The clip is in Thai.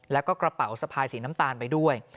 แล้วก็กระเป๋าสะพายสีน้ำตาลไปด้วย